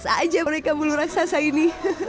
biasa aja mereka bulu raksasa ini